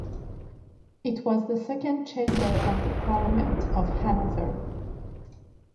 It was the second chamber of the Parliament of Hanover.